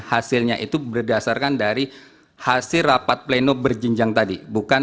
hasilnya itu berdasarkan dari hasil rapat pleno berjenjang tadi